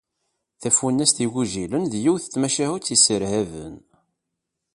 tafunast igujilen d yiwet n tmacahut isserhaben